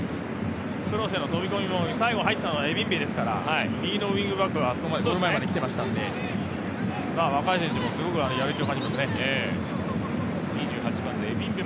クロスへの飛び込みも最後はエビンベですから右のウイングバックはゴール前まで来ていましたので若い選手のすごくやる気を感じますね。